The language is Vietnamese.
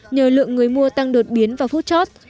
nhờ lượng người mua tăng đột biến vào phút chót